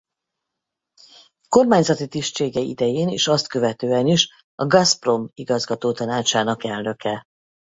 Kormányzati tisztsége idején és azt követően is a Gazprom igazgatótanácsának elnöke.